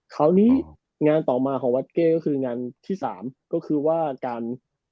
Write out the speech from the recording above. คราวนี้งานต่อมาของวัดเก้ก็คืองานที่สามก็คือว่าการ